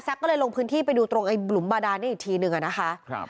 แซ็คก็เลยลงพื้นที่ไปดูตรงหลุมบาดานนี่อีกทีนึงนะคะ